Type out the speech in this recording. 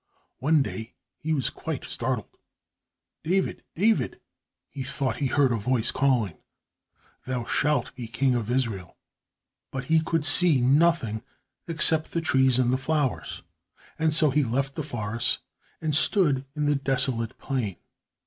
One day he was quite startled. "David, David," he thought he heard a voice calling, "thou shalt be King of Israel." But he could see nothing, except the trees and the flowers, and so he left the forest and stood in the desolate plain.